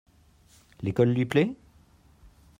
L'école lui plait ?